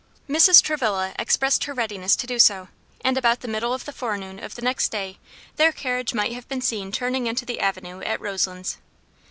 Mrs. Travilla expressed her readiness to do so; and about the middle of the forenoon of the next day their carriage might have been seen turning into the avenue at Roselands.